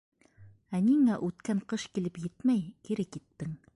— Ә ниңә үткән ҡыш килеп етмәй, кире киттең?